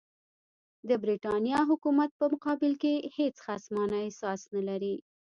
د برټانیې د حکومت په مقابل کې هېڅ خصمانه احساس نه لري.